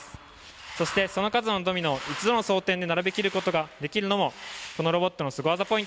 そしてその数のドミノを一度の装填で並べきることができるのもこのロボットのすご技ポイントです。